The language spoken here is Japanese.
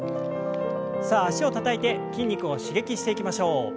さあ脚をたたいて筋肉を刺激していきましょう。